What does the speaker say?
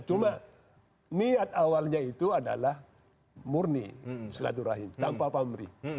cuma niat awalnya itu adalah murni silaturahim tanpa pamrih